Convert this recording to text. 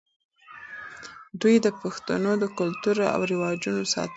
دوی د پښتنو د کلتور او رواجونو ساتنه کوله.